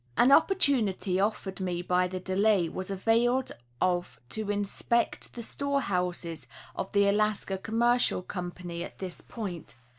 An opportunity offered me by the delay was availed of to inspect the store houses of the Alaska Commercial Company at this point.